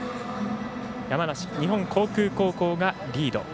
山梨・日本航空高校がリード。